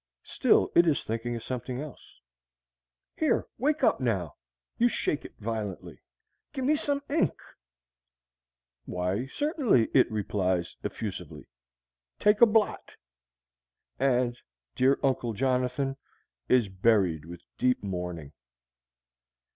Still it is thinking of something else. "Here, wake up, now!" (You shake it violently.) "Give me some ink!" "Why, certainly," it replies effusively. "Take a blot." And "Dear Uncle Jonathan" is buried with deep mourning.